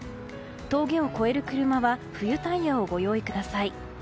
峠を越える車は冬タイヤをご用意ください。